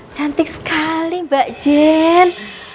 cantik sekali mbak jen